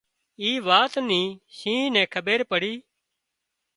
اي وات نِي شينهن نين کٻير پڙي